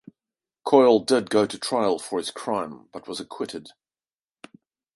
Coyle did go to trial for his crime but was acquitted.